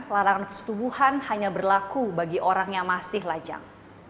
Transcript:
larangan persetubuhan hanya berlaku bagi orang yang masih lajang